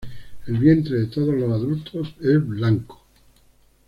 El vientre de todos los adultos es blanco.